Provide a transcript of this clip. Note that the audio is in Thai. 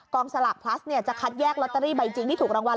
สลากพลัสจะคัดแยกลอตเตอรี่ใบจริงที่ถูกรางวัล